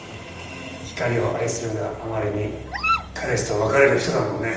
光を愛するがあまりに彼氏と別れる人だもんね。